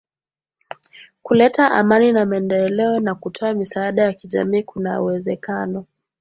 kuleta amani na maendeleo na kutoa misaada ya kijamii Kuna uwezekano